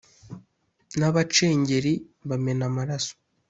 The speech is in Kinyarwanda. na bacengeli bamena amaraso